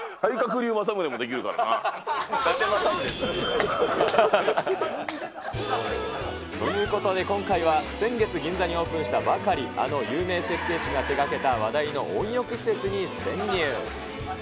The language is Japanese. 伊達政宗。ということで今回は、先月、銀座にオープンしたばかり、あの有名設計士が手がけた話題の温浴施設に潜入。